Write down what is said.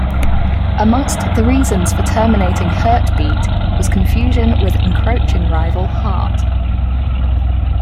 Amongst the reasons for terminating HertBeat was confusion with encroaching rival Heart.